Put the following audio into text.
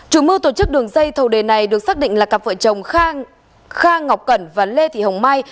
chủ mưu tổ chức đường dây thầu đề này được xác định là cặp vợ chồng khang ngọc cẩn và lê thị hồng mai